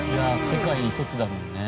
世界に一つだもんね。